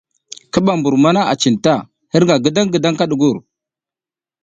Ki ɓa mbur mana a cinta, hirƞga ngidang kaɓa ɗugur.